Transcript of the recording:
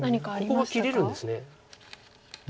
ここが切れるんです。